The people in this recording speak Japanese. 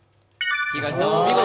東さん、お見事。